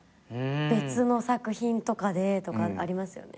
別の作品とかでとかありますよね。